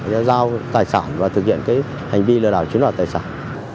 người ta giao tài sản và thực hiện cái hành vi lừa đảo chuyến đoạt tài sản